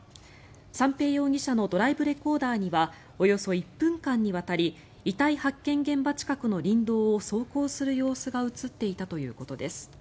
三瓶容疑者のドライブレコーダーにはおよそ１分間にわたり遺体発見現場近くの林道を走行する様子が映っていたということです。